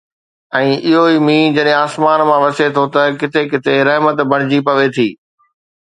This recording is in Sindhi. ۽ اهو ئي مينهن جڏهن آسمان مان وسي ٿو ته ڪٿي ڪٿي رحمت بڻجي پوي ٿي